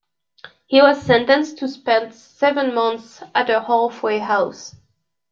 He was sentenced to spend seven months at a halfway house.